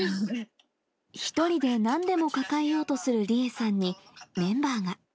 １人でなんでも抱えようとする理愛さんに、メンバーが。